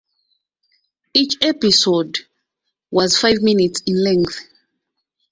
Each episode was five minutes in length.